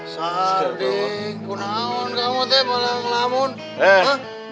sadiq kenapa kamu lagi mau ngelamun